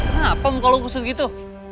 kenapa muka lo kusut gitu